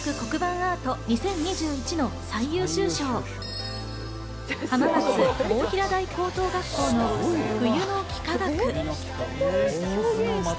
アート２０２１の最優秀賞、浜松大平台高等学校の『冬の幾何学』。